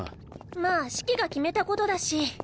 まぁシキが決めたことだし。